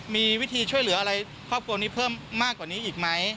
มีวิธีช่วยเหลืออะไรครอบครัวนี้เพิ่มมากกว่านี้อีกไหม